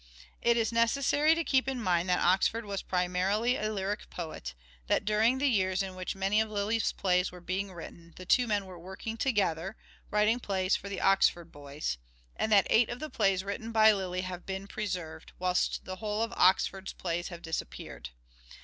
It is necessary to keep in mind that Oxford was primarily a lyric poet ; that during the years in which many of Lyly's plays were being written the two men were working together, writing plays for the " Oxford Boys "; and that eight of the plays written by Lyly have been preserved, whilst the whole of Oxford's plays have disappeared.